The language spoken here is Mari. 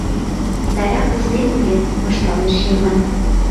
— Сайрак ужнем ыле, — ышталеш Йыван.